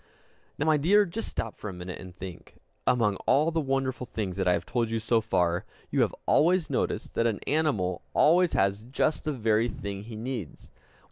Now, my dear, just stop for a minute, and think. Among all the wonderful things that I have told you so far, you have always noticed that an animal always has _just the very thing he needs!